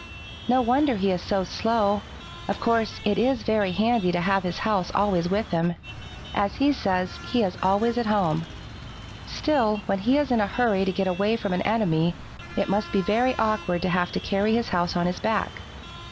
"No wonder he is so slow. Of course, it is very handy to have his house always with him. As he says, he is always at home. Still, when he is in a hurry to get away from an enemy, it must be very awkward to have to carry his house on his back.